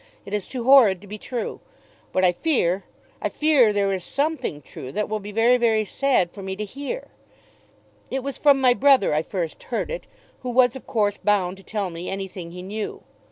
It is too horrid to be true. But I fear, I fear there is something true that will be very very sad for me to hear. It was from my brother I first heard it, who was of course bound to tell me anything he knew.